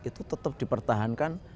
itu tetap dipertahankan